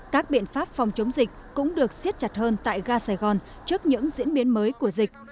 các biện pháp phòng chống dịch cũng được xiết chặt hơn tại ga sài gòn trước những diễn biến mới của dịch